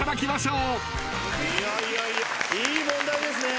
いい問題ですね。